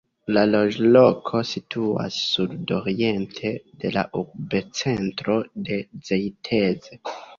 La loĝloko situas sudoriente de la urbocentro de Zeitz.